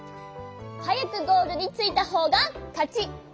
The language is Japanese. はやくゴールについたほうがかち！